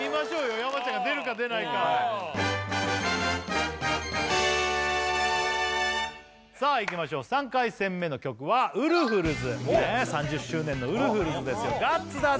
山ちゃんが出るか出ないかさあいきましょう３回戦目の曲はウルフルズ３０周年のウルフルズですよ「ガッツだぜ！！」